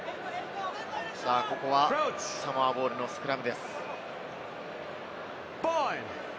ここはサモアボールのスクラムです。